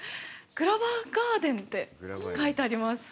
グラバーガーデンって書いてあります。